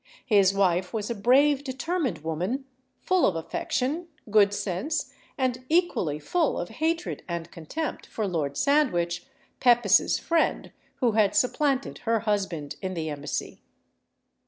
His wife was a brave, determined woman, full of affection, good sense, and equally full of hatred and contempt for Lord Sandwich, Pepys's friend, who had supplanted her husband in the embassy.